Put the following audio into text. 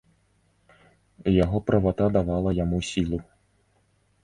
Яго правата давала яму сілу.